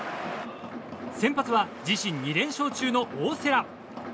先発は自身２連勝中の大瀬良。